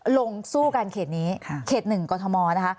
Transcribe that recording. ลงสู้กันเขตนี้เขต๑กรทมนะคะ